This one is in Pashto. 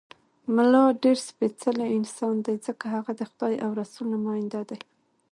ملا ډېر سپېڅلی انسان دی، ځکه هغه د خدای او رسول نماینده دی.